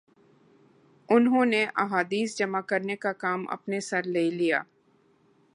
انہوں نے احادیث جمع کرنے کا کام اپنے سر لے لیا